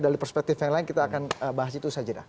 dari perspektif yang lain kita akan bahas itu saja dah